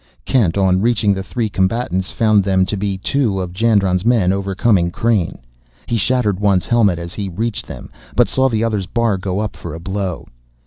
Kent, on reaching the three combatants, found them to be two of Jandron's men overcoming Crain. He shattered one's helmet as he reached them, but saw the other's bar go up for a blow.